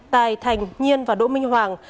tài thành nhiên và đỗ minh hoàng